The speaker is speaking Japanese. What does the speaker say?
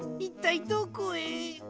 いったいどこへ？